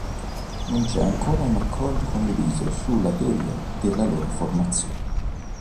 Non c'è ancora un accordo condiviso sulla teoria della loro formazione.